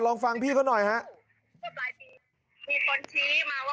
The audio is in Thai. ลองฟังพี่เขาหน่อยฮะมีคนชี้มาว่าเราอ่ะ